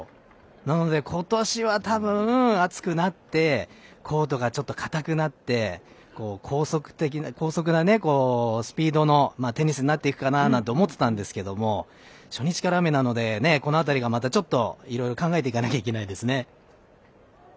なので、今年はたぶん寒くなってコートがちょっとかたくなって高速なスピードのテニスになっていくかななんて思ってたんですけど初日から雨なので、この辺りを考えていかないといけないですね。